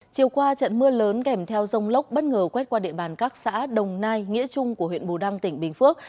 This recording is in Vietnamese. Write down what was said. chiều qua trận mưa lớn kèm theo rông lốc bất ngờ quét qua địa bàn các xã đồng nai nghĩa trung của huyện bù đăng tỉnh bình phước